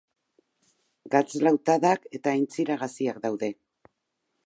Gatz-lautadak eta aintzira gaziak daude.